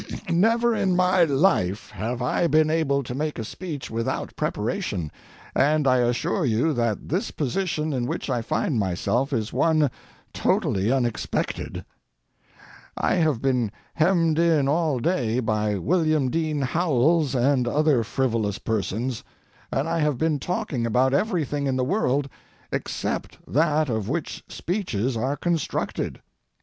Never in my life have I been able to make a speech without preparation, and I assure you that this position in which I find myself is one totally unexpected. I have been hemmed in all day by William Dean Howells and other frivolous persons, and I have been talking about everything in the world except that of which speeches are constructed.